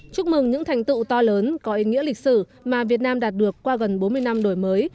chúc mừng những thành tựu to lớn có ý nghĩa lịch sử mà việt nam đạt được qua gần bốn mươi năm đổi mới